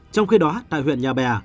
trong khi đó tại huyện nhà bè